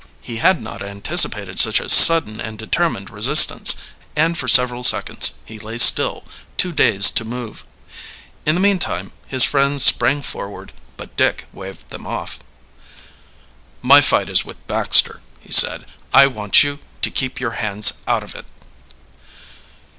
He had not anticipated such a sudden and determined resistance, and for several seconds he lay still, too dazed to move. In the meantime his friends sprang forward, but Dick waved them off. "My fight is with Baxter," he said. "I want you to keep your hands out of it."